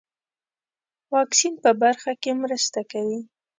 واکسین په برخه کې مرسته کوي.